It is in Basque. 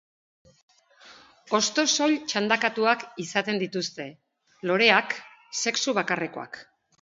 Hosto soil txandakatuak izaten dituzte; loreak, sexu bakarrekoak.